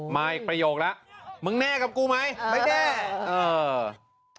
มาอีกประโยคแล้วมึงแน่กับกูไหมไม่แน่เออ